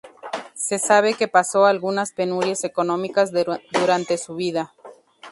Se sabe que pasó algunas penurias económicas durante su vida.